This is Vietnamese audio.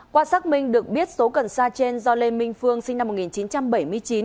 qua xác minh được biết số cần sa trên do lê minh phương sinh năm một nghìn chín trăm bảy mươi chín